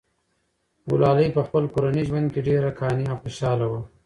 ګلالۍ په خپل کورني ژوند کې ډېره قانع او خوشحاله وه.